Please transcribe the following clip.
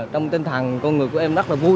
trong tinh thần con người của em rất là vui